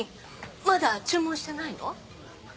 まだ注文してないの？